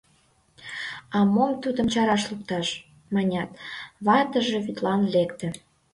— А мом тудым чараш лукташ? — манят, ватыже вӱдлан лекте.